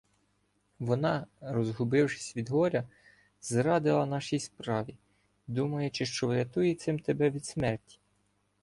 Вона, розгубившись від горя, зрадила нашій справі, думаючи, що вирятує цим тебе від смерті.